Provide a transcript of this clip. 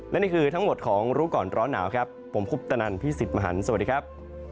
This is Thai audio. และนี่คือทั้งหมดของรู้ก่อนร้อนหนาวครับผมคุปตนันพี่สิทธิ์มหันฯสวัสดีครับ